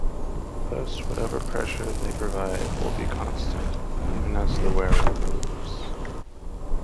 Thus, whatever pressure they provide will be constant even as the wearer moves.